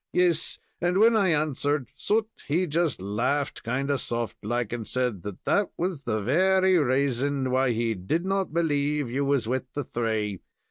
"Yes, and when I answered, Soot, he just laughed kind o' soft like, and said that that was the very rason why he did not believe you was with the thray.